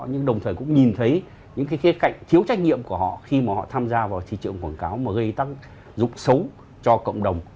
nhưng đồng thời cũng nhìn thấy những cái khía cạnh thiếu trách nhiệm của họ khi mà họ tham gia vào thị trường quảng cáo mà gây tác dụng xấu cho cộng đồng